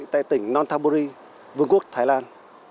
tại tỉnh nonthaburi vương quốc thái lan